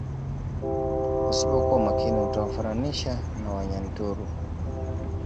Usipokua makini utawafananisha na wanyaturu